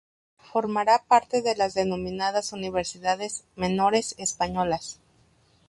Formará parte de las denominadas universidades "menores" españolas.